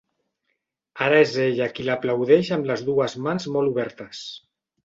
Ara és ella qui l'aplaudeix amb les dues mans molt obertes.